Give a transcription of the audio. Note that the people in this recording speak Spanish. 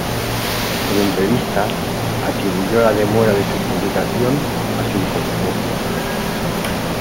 En entrevistas, atribuyó la demora de su publicación a su "incompetencia".